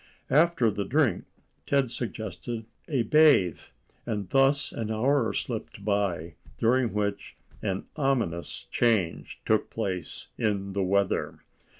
After the drink Ted suggested a bathe; and thus an hour slipped by, during which an ominous change took place in the weather.